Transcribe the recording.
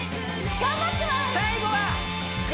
頑張ってます